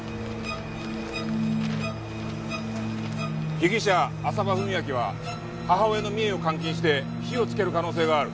被疑者浅羽史明は母親の美恵を監禁して火をつける可能性がある。